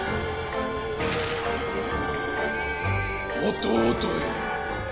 弟よ。